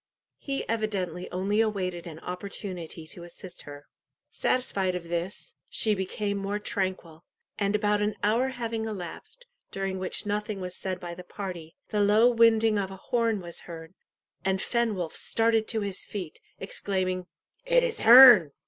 He evidently only awaited an opportunity to assist her. Satisfied of this, she became more tranquil, and about an hour having elapsed, during which nothing was said by the party, the low winding of a horn was heard, and Fenwolf started to his feet, exclaiming "It is Herne!"